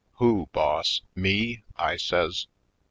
"Who, boss, me?" I says.